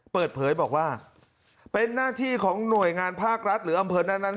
เปิดเผยบอกว่าเป็นหน้าที่ของหน่วยงานภาครัฐหรืออำเภอนั้น